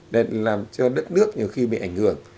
để làm cho đất nước nhiều khi bị ảnh hưởng